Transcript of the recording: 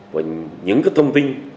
và những thông tin